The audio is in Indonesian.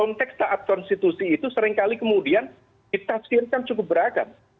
konteks taat konstitusi itu seringkali kemudian ditafsirkan cukup beragam